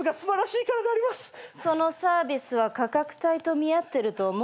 そのサービスは価格帯と見合ってると思う？